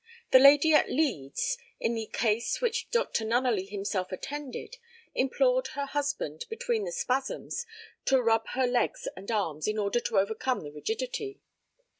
The lady at Leeds, in the case which Dr. Nunneley himself attended, implored her husband, between the spasms, to rub her legs and arms in order to overcome the rigidity.